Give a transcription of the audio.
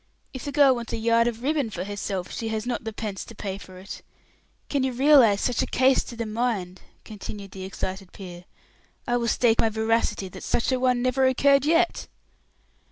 If the girl wants a yard of ribbon for herself, she has not the pence to pay for it! Can you realize such a case to the mind?" continued the excited peer. "I will stake my veracity that such a one never occurred yet."